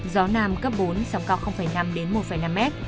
gió nam cấp bốn sóng cao năm một năm m